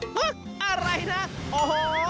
เฮ้ยอะไรนะอ่อห้อ